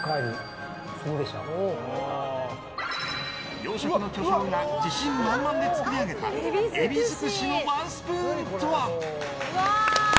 洋食の巨匠が自信満々で作り上げたエビ尽くしのワンスプーンとは？